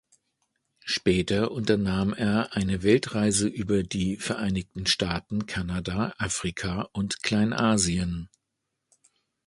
Später unternahm er eine Weltreise über die Vereinigten Staaten, Kanada, Afrika und Kleinasien.